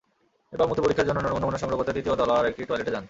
এরপর মূত্র পরীক্ষার জন্য নমুনা সংগ্রহ করতে তৃতীয় তলার একটি টয়লেটে যান।